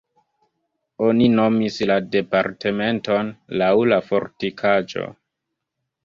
Oni nomis la departementon laŭ la fortikaĵo.